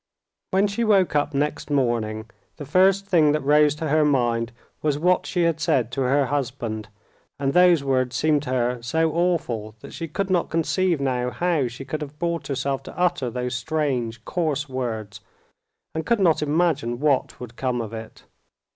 When she woke up next morning the first thing that rose to her mind was what she had said to her husband, and those words seemed to her so awful that she could not conceive now how she could have brought herself to utter those strange, coarse words, and could not imagine what would come of it.